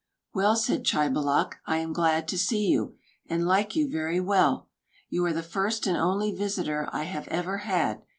"Well," said Chībaloch, "I am glad to see you, and like you very well. You are the first and only visitor I have ever had.